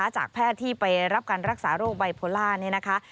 จากแพทย์ที่ไปรับการรักษาโรคไบโพล่านี่นะคะ